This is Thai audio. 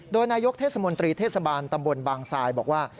โดยนายกเทศมนตรีเทศบาลตำบลบางซายบอกว่า